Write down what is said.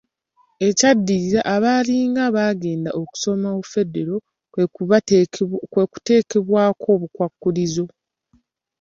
Ekyaddirira abaalinga Bagenda okusomesa Federo kwekuteekebwako obukwakkulizo.